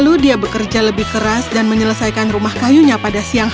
lalu dia bekerja lebih keras dan menyelesaikan rumah kayunya pada siang hari